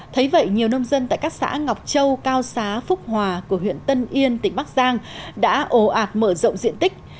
thấy vậy nhiều nông dân tại các xã ngọc châu cao xá phúc hòa của huyện tân yên tỉnh bắc giang đã ồ ạt mở rộng diện tích